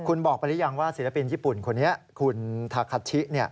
คุณบอกไปหรือยังว่าศิลปินญี่ปุ่นคนนี้คุณทาคาชิ